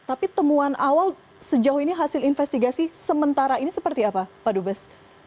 tapi temuan awal sejauh ini hasil investigasi sementara ini seperti apa pak dubes